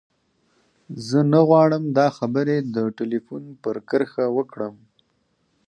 زه نه غواړم دا خبرې د ټليفون پر کرښه وکړم.